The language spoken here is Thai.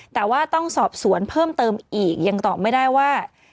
แต่ว่าต้องสอบสวนเพิ่มเติมอีกยังตอบไม่ได้ว่า